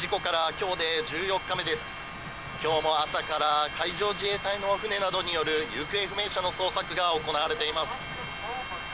今日も朝から海上自衛隊の船などによる行方不明者の捜索が行われています。